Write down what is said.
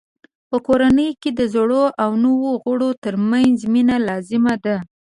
په کورنۍ کې د زړو او نویو غړو ترمنځ مینه لازمه ده.